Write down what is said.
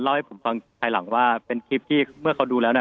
ให้ผมฟังภายหลังว่าเป็นคลิปที่เมื่อเขาดูแล้วเนี่ย